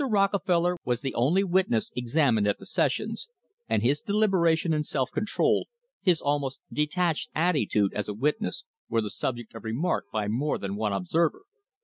Rockefeller was the only witness examined at the sessions, and his deliberation and self control, his almost detached attitude as a witness, were the subject of remark by more than one observer.